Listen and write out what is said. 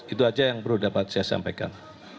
itu saja yang perlu dapat saya sampaikan